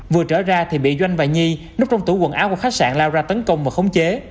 vừa trở ra thì bị doanh và nhi núp trong tủ quần áo của khách sạn lao ra tấn công và khống chế